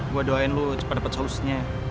gua doain lu cepet dapet solusinya